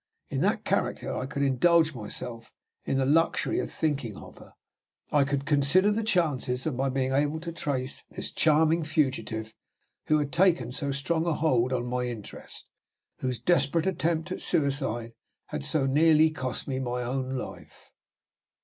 In that character, I could indulge myself in the luxury of thinking of her; I could consider the chances of my being able to trace this charming fugitive, who had taken so strong a hold on my interest whose desperate attempt at suicide had so nearly cost me my own life.